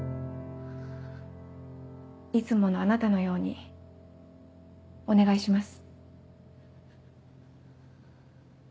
いつものあなたのようにお願いします。